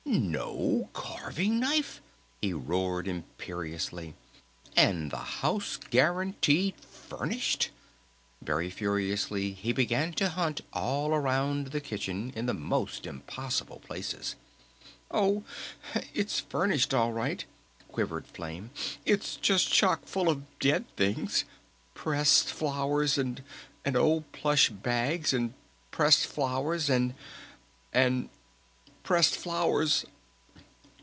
No carving knife?" he roared imperiously. "And the house guaranteed 'furnished'?" Very furiously he began to hunt all around the kitchen in the most impossible places. "Oh, it's furnished all right," quivered Flame. "It's just chock full of dead things! Pressed flowers! And old plush bags! And pressed flowers! And and pressed flowers!"